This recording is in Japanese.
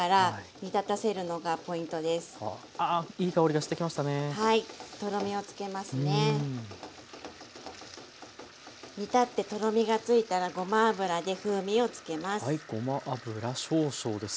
煮立ってとろみがついたらごま油で風味をつけます。